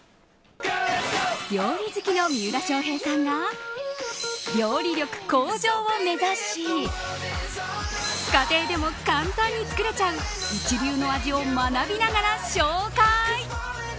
料理好きの三浦翔平さんが料理力向上を目指し家庭でも簡単に作れちゃう一流の味を学びながら紹介。